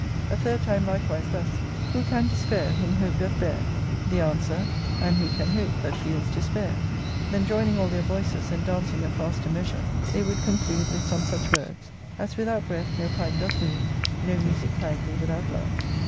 A third time, likewise, thus —Who can despair whom hope doth bear ?" the answer —" And who can hope that feels despair ?'* Then, joining all their voices, and dancing a faster measure, they would conclude with some such words —*' As without breath no pipe doth move, • No music kindly without love."